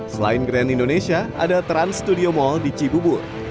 selain grand indonesia ada trans studio mall di cibubur